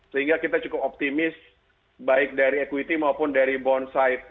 sehingga kita cukup optimis baik dari equity maupun dari bond side